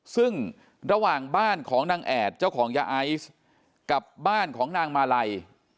ซึ่งระหว่างบ้านของนางแอดเจ้าของยาไอซ์กับบ้านของนางมาลัย